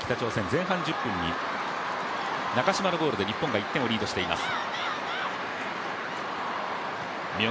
前半１０分に中嶋のゴールで日本が１点を先制しています。